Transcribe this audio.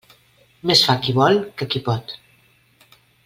Més fa qui vol que qui pot.